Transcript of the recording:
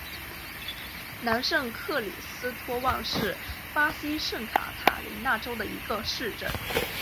南圣克里斯托旺是巴西圣卡塔琳娜州的一个市镇。